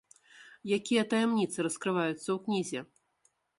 Якія таямніцы раскрываюцца ў кнізе?